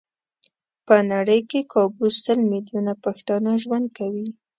په نړۍ کې کابو سل ميليونه پښتانه ژوند کوي.